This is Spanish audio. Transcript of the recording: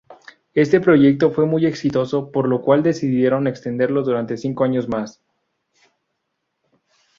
Este proyecto fue muy exitoso, por lo cual decidieron extenderlo durante cinco años más.